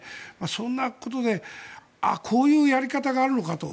そんなことでこういうやり方があるのかと。